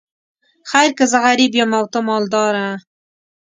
خیر که زه غریب یم او ته مالداره.